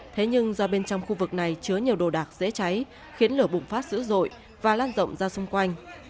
thế nhưng do bên trong khu vực này chứa nhiều đồ đạc dễ cháy khiến lửa bùng phát dữ dội và lan rộng ra xung quanh